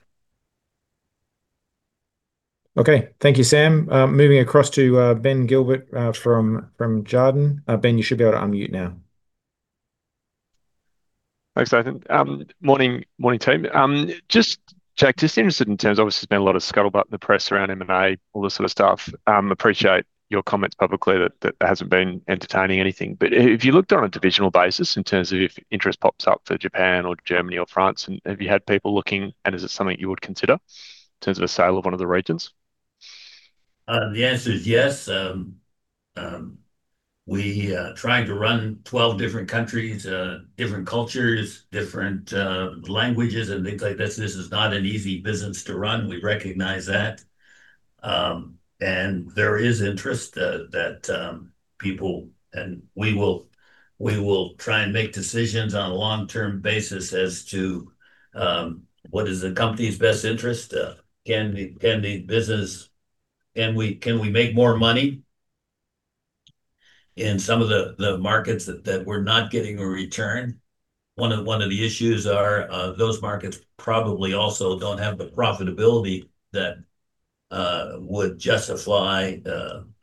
Okay. Thank you, Sam. Moving across to Ben Gilbert, from Jarden. Ben, you should be able to unmute now. Thanks, Nathan. Morning, team. Jack, just interested in terms. Obviously, there's been a lot of scuttlebutt in the press around M&A, all this sort of stuff. Appreciate your comments publicly that there hasn't been entertaining anything. If you looked on a divisional basis in terms of if interest pops up for Japan or Germany or France, and have you had people looking, and is it something you would consider in terms of a sale of one of the regions? The answer is yes. We are trying to run 12 different countries, different cultures, different languages and things like this. This is not an easy business to run. We recognize that. And there is interest that. And we will try and make decisions on a long-term basis as to what is the company's best interest. Can we make more money in some of the markets that we're not getting a return? One of the issues are those markets probably also don't have the profitability that would justify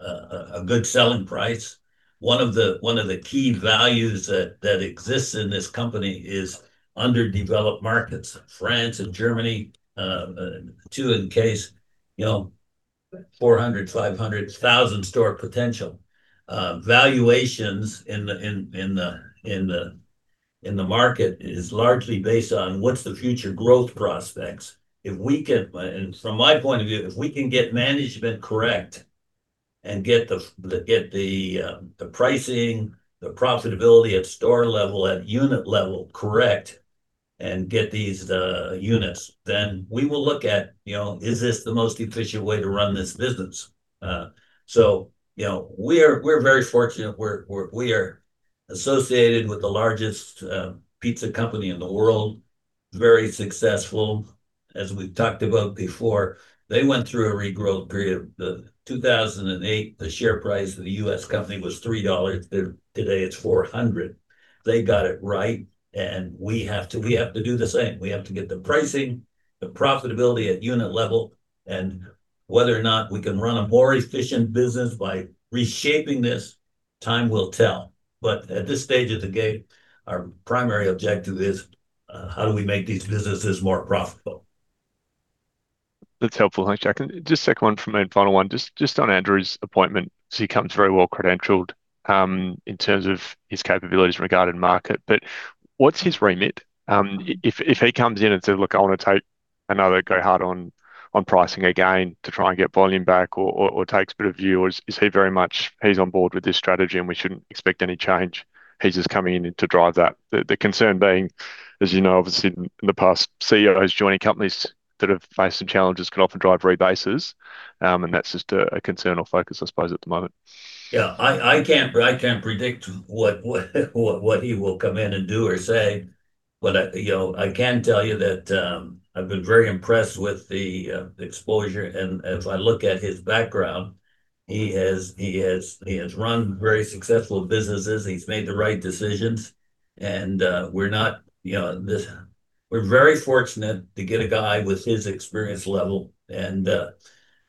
a good selling price. One of the key values that exists in this company is underdeveloped markets. France and Germany, two in case, you know, 400, 500,000 store potential. Valuations in the market is largely based on what's the future growth prospects. If we can, and from my point of view, if we can get management correct and get the pricing, the profitability at store level, at unit level correct, and get these units, then we will look at, you know, is this the most efficient way to run this business? You know, we are, we're very fortunate we are associated with the largest pizza company in the world. Very successful. As we've talked about before, they went through a regrowth period. The 2008, the share price of the U.S. company was $3, today it's $400. They got it right, and we have to, we have to do the same. We have to get the pricing, the profitability at unit level, and whether or not we can run a more efficient business by reshaping this, time will tell. At this stage of the game, our primary objective is, how do we make these businesses more profitable? That's helpful. Thanks, Jack. Just second one from me, and final one. Just on Andrew's appointment, he comes very well-credentialed in terms of his capabilities regarding market. What's his remit? If he comes in and says: "Look, I know I go hard on pricing again to try and get volume back," or takes a bit of view, is he very much he's on board with this strategy and we shouldn't expect any change, he's just coming in to drive that? The concern being, as you know, obviously in the past, CEOs joining companies that have faced some challenges can often drive rebases, that's just a concern or focus, I suppose, at the moment. Yeah, I can't predict what he will come in and do or say. I, you know, I can tell you that I've been very impressed with the exposure, and as I look at his background, he has run very successful businesses, he's made the right decisions. You know, this, we're very fortunate to get a guy with his experience level, and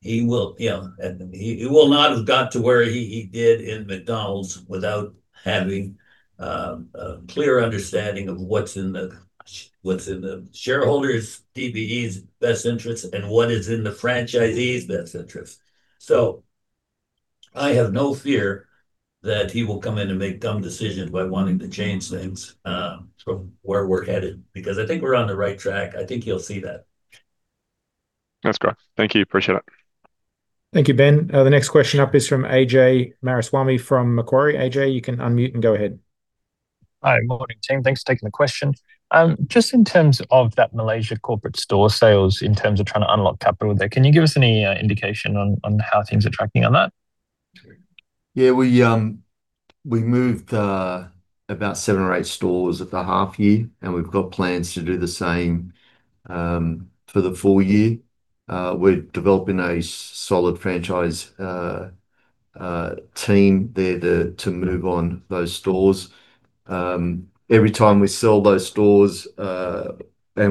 he will, you know, and he will not have got to where he did in McDonald's without having a clear understanding of what's in the shareholders' DPE's best interests and what is in the franchisee's best interests. I have no fear that he will come in and make dumb decisions by wanting to change things, from where we're headed, because I think we're on the right track. I think he'll see that. That's great. Thank you. Appreciate it. Thank you, Ben. The next question up is fromAjay Mariswamy from Macquarie. Ajay, you can unmute and go ahead. Hi. Morning, team. Thanks for taking the question. Just in terms of that Malaysia corporate store sales, in terms of trying to unlock capital there, can you give us any indication on how things are tracking on that? Yeah, we moved about seven or eight stores at the half year, and we've got plans to do the same for the full year. We're developing a solid franchise team there to move on those stores. Every time we sell those stores, and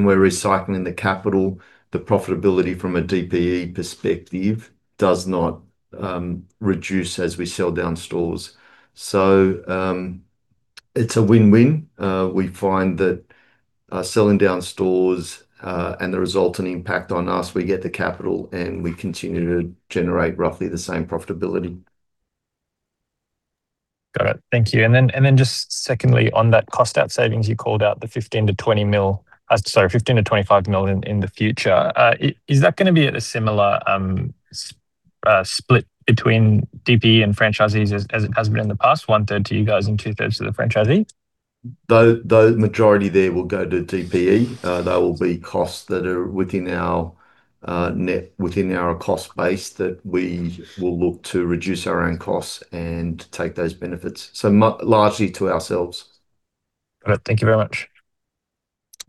we're recycling the capital, the profitability from a DPE perspective does not reduce as we sell down stores. It's a win-win. We find that selling down stores, and the resulting impact on us, we get the capital and we continue to generate roughly the same profitability. Got it. Thank you. Just secondly, on that cost-out savings, you called out the 15 million to 20 million, sorry, 15 million to 25 million in the future. Is that gonna be at a similar split between DPE and franchisees as it has been in the past, one third to you guys and two thirds to the franchisee? The majority there will go to DPE. There will be costs that are within our cost base, that we will look to reduce our own costs and take those benefits, so largely to ourselves. All right. Thank you very much.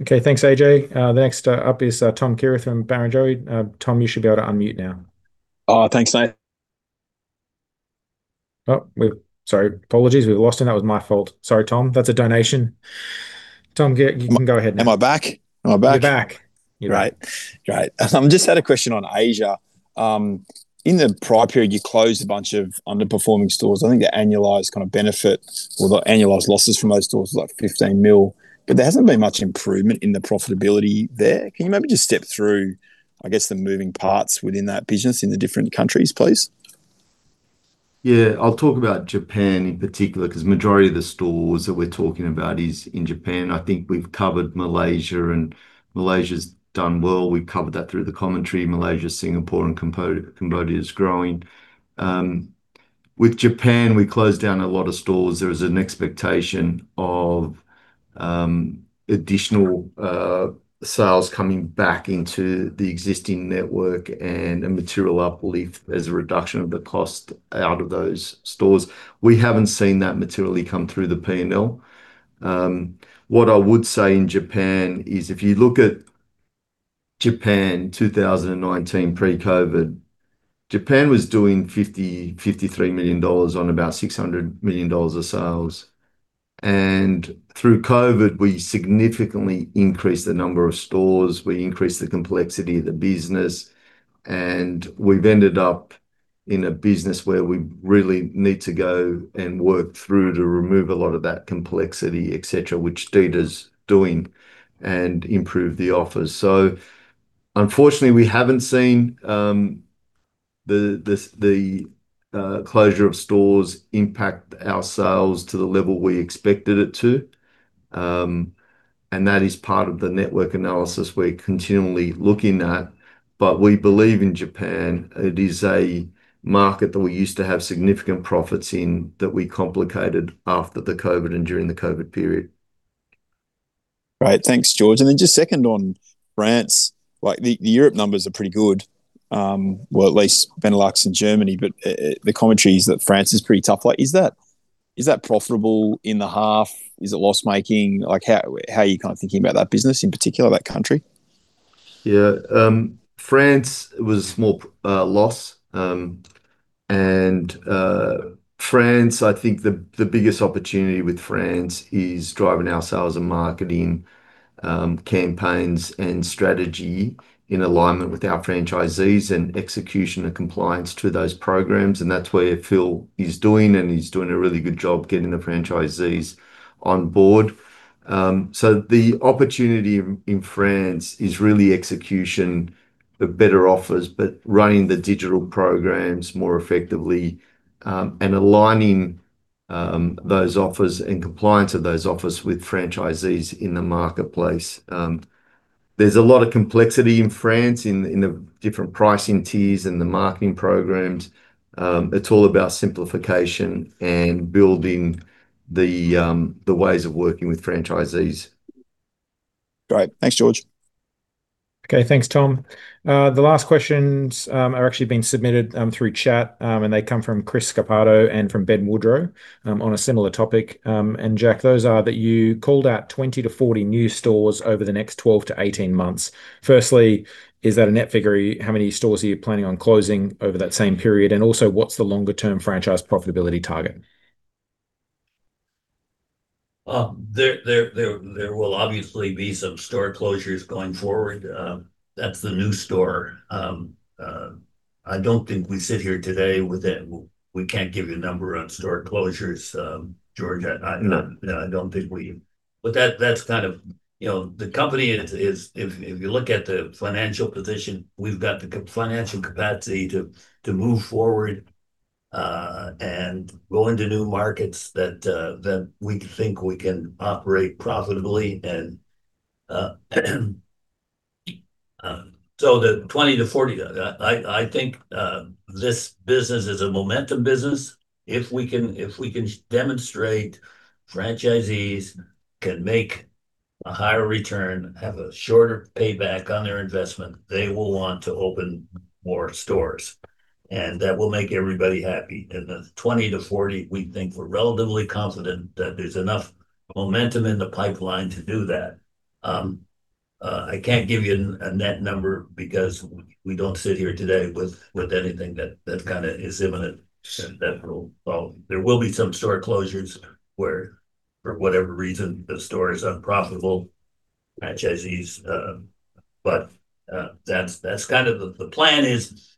Okay. Thanks, Ajay. The next up is Thomas Kierath from Barrenjoey. Tom, you should be able to unmute now. Thanks, Nate. Oh, sorry, apologies, we've lost him. That was my fault. Sorry, Tom, that's a donation. Tom, you can go ahead now. Am I back? Am I back? You're back. Great. Great. Just had a question on Asia. In the prior period, you closed a bunch of underperforming stores. I think the annualized kind of benefit or the annualized losses from those stores was, like, 15 million, but there hasn't been much improvement in the profitability there. Can you maybe just step through, I guess, the moving parts within that business in the different countries, please? Yeah, I'll talk about Japan in particular, 'cause majority of the stores that we're talking about is in Japan. I think we've covered Malaysia. Malaysia's done well. We've covered that through the commentary. Malaysia, Singapore and Cambodia is growing. With Japan, we closed down a lot of stores. There was an expectation of additional sales coming back into the existing network and material uplift as a reduction of the cost-out of those stores. We haven't seen that materially come through the P&L. What I would say in Japan is, if you look at Japan 2019, pre-COVID, Japan was doing $50 million, $53 million on about $600 million of sales. Through COVID, we significantly increased the number of stores, we increased the complexity of the business, and we've ended up. in a business where we really need to go and work through to remove a lot of that complexity, et cetera, which Dita's doing, and improve the offers. Unfortunately, we haven't seen closure of stores impact our sales to the level we expected it to. That is part of the network analysis we're continually looking at. We believe in Japan, it is a market that we used to have significant profits in, that we complicated after the COVID and during the COVID period. Great. Thanks, George. Just second on France, like, the Europe numbers are pretty good. Well, at least Benelux and Germany, the commentary is that France is pretty tough. Like, is that profitable in the half? Is it loss-making? Like, how are you kind of thinking about that business, in particular, that country? Yeah, France was a small loss. France, I think the biggest opportunity with France is driving our sales and marketing campaigns and strategy in alignment with our franchisees, and execution and compliance to those programs. That's where Phil is doing, and he's doing a really good job getting the franchisees on board. The opportunity in France is really execution of better offers, but running the digital programs more effectively, and aligning those offers and compliance of those offers with franchisees in the marketplace. There's a lot of complexity in France in the different pricing tiers and the marketing programs. It's all about simplification and building the ways of working with franchisees. Great. Thanks, George. Okay, thanks, Tom. The last questions are actually being submitted through chat, and they come from Chris Saccardo and from Ben Wood-droe on a similar topic. Jack, those are the 20-40 new stores over the next 12-18 months. Firstly, is that a net figure? How many stores are you planning on closing over that same period? Also, what's the long-term franchise profitability target? There will obviously be some store closures going forward. That's the new store. I don't think we sit here today with that. We can't give you a number on store closures, George. No, that's how the company is. If you look at the financial position, we've got the financial capacity to move forward and go into new markets that we think we can operate profitably. The 20-40, I think this business is a momentum business. If we can demonstrate franchisees can make a higher return, have a shorter payback on their investment, they will want to open more stores, and that will make everybody happy. The 20-40, we think we're relatively confident that there's enough momentum in the pipeline to do that. I can't give you a net number because we don't sit here today with anything that is imminent. There will be some store closures where for whatever reason, the store is unprofitable franchisees. That's the plan is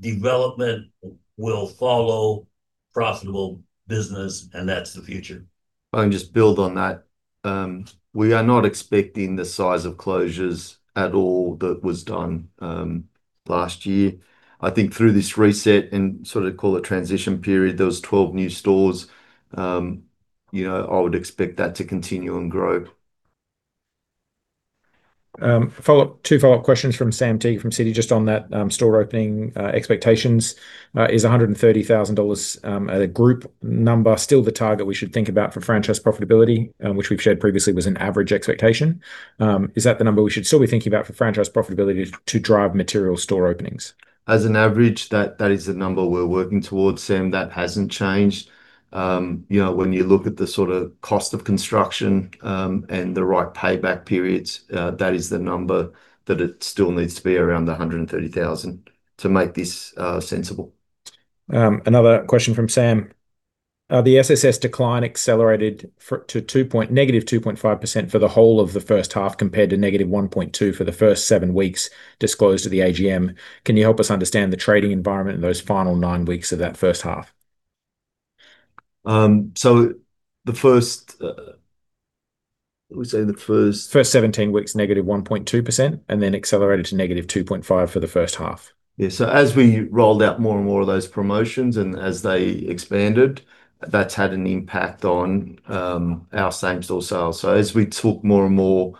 development will follow profitable business. That's the future. I can just build on that. We are not expecting the size of closures at all that was done last year. I think through this reset and sort of call it transition period, those 12 new stores, you know, I would expect that to continue and grow. Follow-up. Two follow-up questions from Sam Teeger from Citi, just on that store opening expectations. Is 130,000 dollars a group number, still the target we should think about for franchise profitability, which we've shared previously was an average expectation? Is that the number we should still be thinking about for franchise profitability to drive material store openings? As an average, that is the number we're working towards, Sam. That hasn't changed. you know, when you look at the sort of cost of construction, and the right payback periods, that is the number, that it still needs to be around 130,000 to make this sensible. Another question from Sam. The SSS decline accelerated to -2.5% for the whole of the first half, compared to -1.2% for the first 7 weeks disclosed to the AGM. Can you help us understand the trading environment in those final 9 weeks of that first half? The first, what was saying? First 17 weeks, -1.2%, and then accelerated to -2.5% for the first half. Yeah. As we rolled out more and more of those promotions, and as they expanded, that's had an impact on our same-store sales. As we took more and more,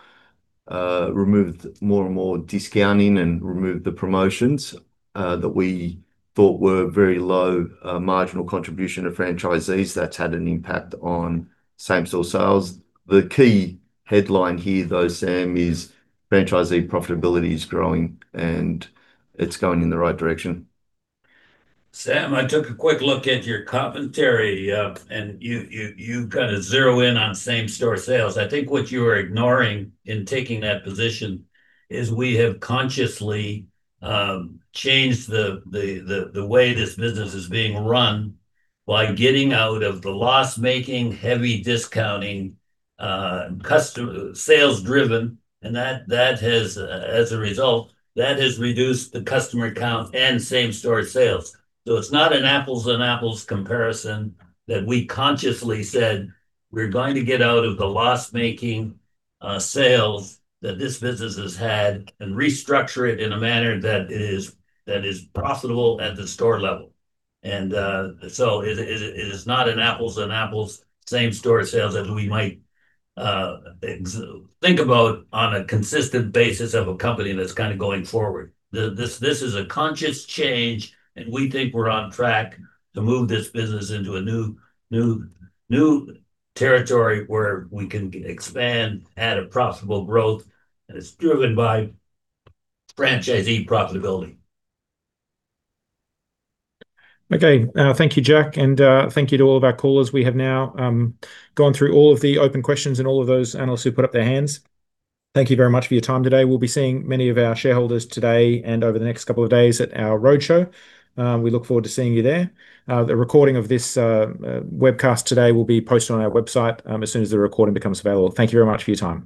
removed more and more discounting and removed the promotions, that we thought were very low, marginal contribution of franchisees, that's had an impact on same-store sales. The key headline here, though, Sam, is franchisee profitability is growing, and it's going in the right direction. Sam, I took a quick look at your commentary, and you kind of zero in on same-store sales. I think what you are ignoring in taking that position is we have consciously changed the way this business is being run by getting out of the loss-making, heavy discounting, sales-driven. That has, as a result, reduced the customer count and same-store sales. It's not an apples and apples comparison that we consciously said we're going to get out of the loss-making sales that this business has had and restructure it in a manner that is profitable at the store level. It is not an apples and apples same-store sales as we might think about on a consistent basis of a company that's kind of going forward. This is a conscious change. We think we're on track to move this business into a new territory where we can expand at a profitable growth. It's driven by franchisee profitability. Okay. Thank you, Jack, and thank you to all of our callers. We have now gone through all of the open questions and all of those analysts who put up their hands. Thank you very much for your time today. We'll be seeing many of our shareholders today and over the next couple of days at our roadshow. We look forward to seeing you there. The recording of this webcast today will be posted on our website as soon as the recording becomes available. Thank you very much for your time.